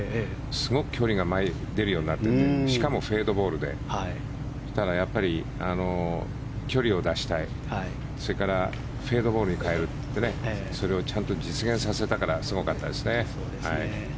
すごく距離が前より出るようになっていてしかも、フェードボールでそしたら、やっぱり距離を出したいそれからフェードボールに変えるってそれをちゃんと実現させたからすごかったですね。